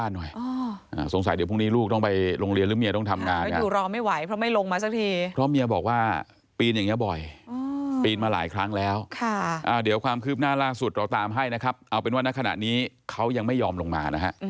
ลงมาซักทีเพราะเมียบอกว่าปีนอย่างเงี้ยบ่อยอ๋อปีนมาหลายครั้งแล้วค่ะอ่าเดี๋ยวความคืบหน้าร่าสุดเราตามให้นะครับเอาเป็นว่าในขณะนี้เขายังไม่ยอมลงมานะฮะ